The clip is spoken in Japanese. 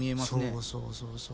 そうそうそうそう。